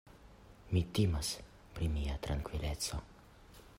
Mi timas pri mia trankvileco!